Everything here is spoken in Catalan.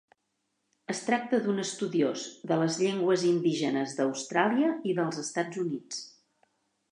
Es tracta d'un estudiós de les llengües indígenes d'Austràlia i dels Estats Units.